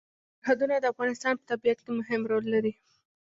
سرحدونه د افغانستان په طبیعت کې مهم رول لري.